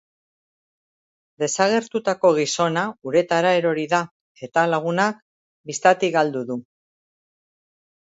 Desagertutako gizona uretara erori da, eta lagunak bistatik galdu du.